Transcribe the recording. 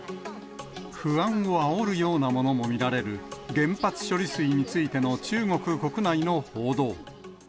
不安をあおるようなものも見られる原発処理水についての中国国内の報道。